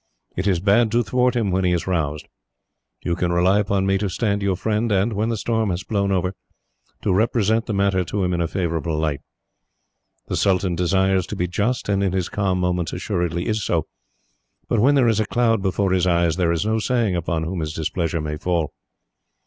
It is bad to thwart him, when he is roused. You can rely upon me to stand your friend and, when the storm has blown over, to represent the matter to him in a favourable light. The sultan desires to be just, and in his calm moments assuredly is so; but when there is a cloud before his eyes, there is no saying upon whom his displeasure may fall.